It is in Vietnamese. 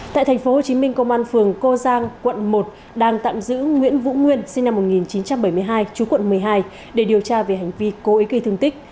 tại thành phố hồ chí minh công an phường cô giang quận một đang tạm giữ nguyễn vũ nguyên sinh năm một nghìn chín trăm bảy mươi hai chú quận một mươi hai để điều tra về hành vi cố ý kỳ thương tích